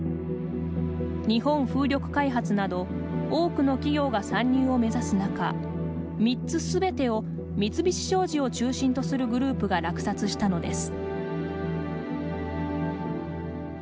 日本風力開発など多くの企業が参入を目指す中３つ全てを三菱商事を中心とするグループが落札したのです。